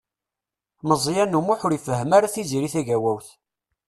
Meẓyan U Muḥ ur ifehhem ara Tiziri Tagawawt.